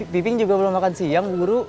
piping juga belum makan siang di guru